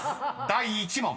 第１問］